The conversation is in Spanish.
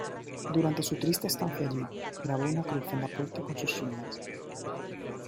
Durante su triste estancia allí, grabó una cruz en la puerta con sus uñas.